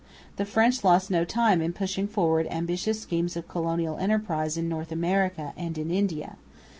The French lost no time in pushing forward ambitious schemes of colonial enterprise in North America and in India.